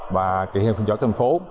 và kỳ thi phương trọng thành phố